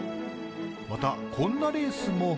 また、こんなレースも。